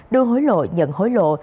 đưa hối lộ nhận hối lộ